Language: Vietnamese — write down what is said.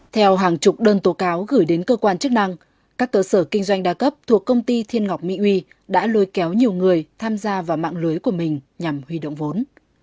theo hàng chục đơn tố cáo gửi đến cơ quan chức năng các cơ sở kinh doanh đa cấp thuộc công ty thiên ngọc mỹ uy đã lôi kéo nhiều người tham gia vào mạng lưới của mình nhằm huy động vốn